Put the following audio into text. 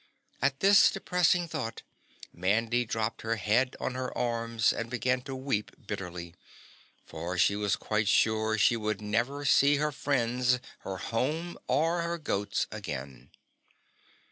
At this depressing thought, Mandy dropped her head on her arms and began to weep bitterly, for she was quite sure she would never see her friends her home or her goats again.